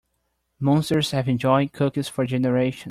Monsters have enjoyed cookies for generations.